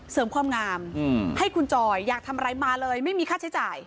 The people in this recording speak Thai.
เสริมความงามให้คุณจอยอยากทำอะไรมาเลยไม่มีค่าใช้จ่าย